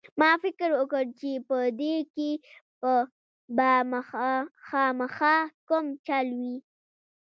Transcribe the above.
ما فکر وکړ چې په دې کښې به خامخا کوم چل وي.